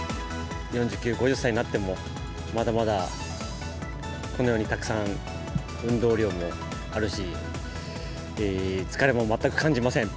４９、５０歳になっても、まだまだ、このようにたくさん運動量もあるし、疲れも全く感じません。